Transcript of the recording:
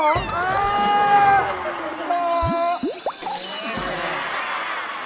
อ้าโอ้โฮ